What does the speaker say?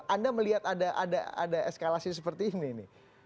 anda melihat ada eskalasi seperti ini